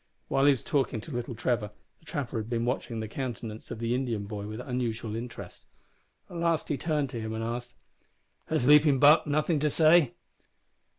While he was talking to little Trevor, the trapper had been watching the countenance of the Indian boy with unusual interest. At last he turned to him and asked "Has Leaping Buck nothin' to say?"